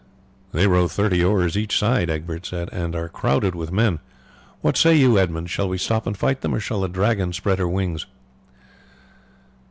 "They row thirty oars each side," Egbert said, "and are crowded with men. What say you, Edmund, shall we stop and fight them, or shall the Dragon spread her wings?"